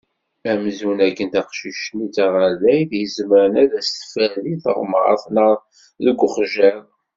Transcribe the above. Amzun akken taqcic-nni d taɣerdayt izemren ad as-teffer deg teɣmert neɣ deg uxjiḍ.